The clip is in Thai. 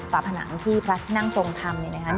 ผนังที่พระที่นั่งทรงธรรมเนี่ยนะครับ